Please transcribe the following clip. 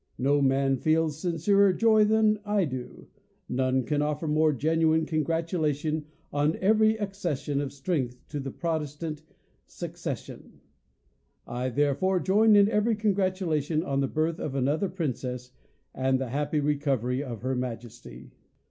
No man feels sincerer joy than I do ; none can offer more genuine congratulation on every acces sion of strength to the protestant succession : I there fore join in every congratulation on the birth of another princess, and the happy recovery of her Majesty.